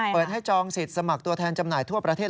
เปิดให้จองสิทธิ์สมัครตัวแทนจำหน่ายทั่วประเทศ